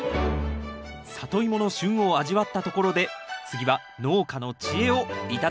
サトイモの旬を味わったところで次は農家の知恵を頂きます！